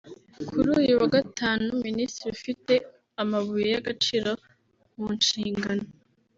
Kuri uyu wa Gatanu minisitiri ufite amabuye y’agaciro mu nshingano